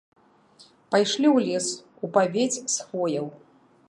Пайшлі ў лес, у павець з хвояў.